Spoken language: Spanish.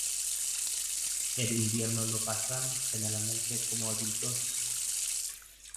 El invierno lo pasan generalmente como adultos.